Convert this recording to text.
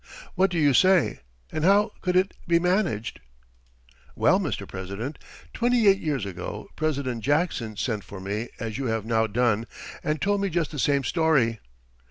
What do you say, and how could it be managed?" "Well, Mr. President, twenty eight years ago President Jackson sent for me as you have now done and told me just the same story.